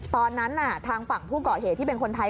ตอนนั้นทางฝั่งผู้ก่อเหตุที่เป็นคนไทย